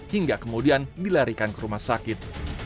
hingga kemudian dilarikan ke rumah sakit